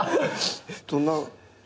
どんな？